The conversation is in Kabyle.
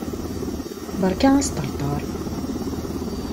Berka asṭerṭer!